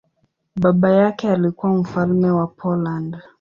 Baba yake alikuwa mfalme wa Poland.